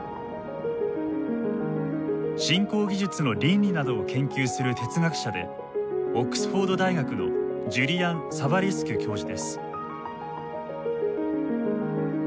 新興技術の倫理などを研究する哲学者でオックスフォード大学のジュリアン・サヴァレスキュ教授です。